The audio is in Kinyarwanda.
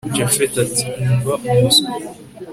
japhet ati umva umuswa